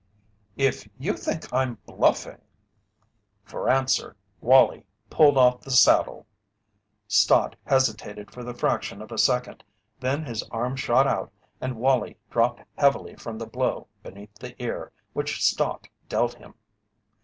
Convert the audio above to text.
"If you think I'm bluffing " For answer, Wallie pulled off the saddle. Stott hesitated for the fraction of a second, then his arm shot out and Wallie dropped heavily from the blow beneath the ear which Stott dealt him.